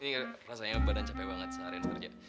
ini rasanya badan capek banget seharian kerja